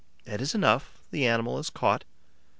That is enough; the animal is caught.